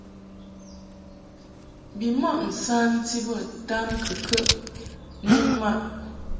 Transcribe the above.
Bimɔʼ nsanti bə tamkɨkəʼ ni mmaʼ.